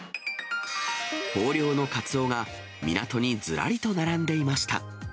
豊漁のカツオが、港にずらりと並んでいました。